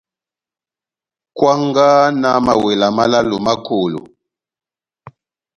Kwangaha na mawela málálo má kolo.